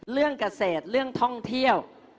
เรื่องเกษตรเรื่องท่องเที่ยว